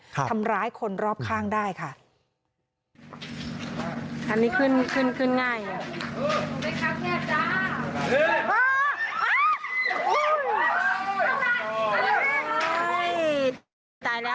ครับทำร้ายคนรอบข้างได้ค่ะอันนี้ขึ้นขึ้นขึ้นง่าย